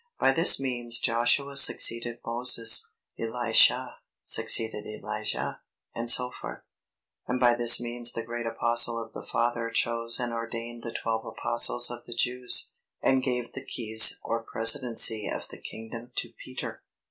By this means Joshua succeeded Moses, Elisha succeeded Elijah, &c. And by this means the great Apostle of the Father chose and ordained the Twelve Apostles of the Jews, and gave the keys or presidency of the kingdom to Peter.